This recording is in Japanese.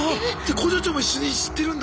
工場長も一緒に知ってるんだ？